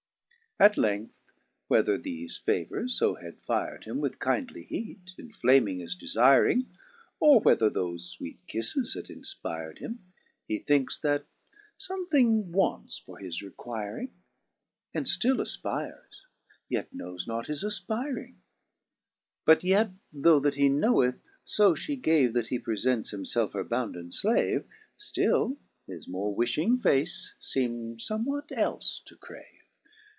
At length, whether thefe favours (b had fir'd him With kindly heate, inflaming his defiring. Or whether thofe fweete kifles had infpir'd him. He thinkes that fomething wants for his requiring. Digitized by Google BRITTAIN'S IDA. 291 And ftill aipires, yet knows not his afpiring ; But yet though that hee knoweth fo fhe gave^ That he prefents himfelfe her bounden flave. Still his more wifhing face ieem'd fomewhat elie to crave.